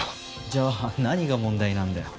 じゃあ何が問題なんだよ？